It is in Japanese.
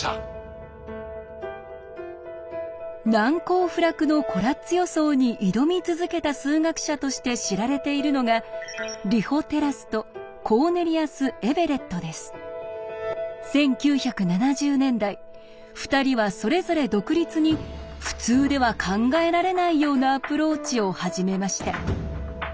難攻不落のコラッツ予想に挑み続けた数学者として知られているのが１９７０年代２人はそれぞれ独立に普通では考えられないようなアプローチを始めました。